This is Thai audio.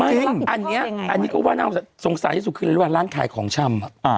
อันนี้ก็ว่าน่าสงสัยที่สุดขึ้นระหว่างร้านขายของช่ำ